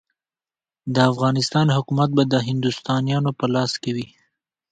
د افغانستان حکومت به د هندوستانیانو په لاس کې وي.